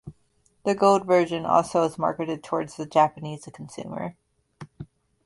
The Gold version also was marketed towards the Japanese consumer.